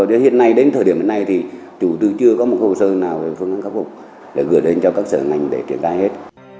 thôi đến thời điểm này thì chủ tư chưa có một hồ sơ nào phương án khắc phục để gửi đến cho các sở ngành để tiển khai hết